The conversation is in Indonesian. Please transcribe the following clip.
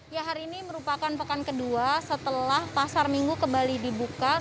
ya hari ini merupakan pekan kedua setelah pasar minggu kembali dibuka